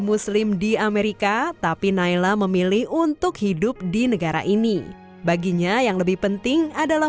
muslim di amerika tapi naila memilih untuk hidup di negara ini baginya yang lebih penting adalah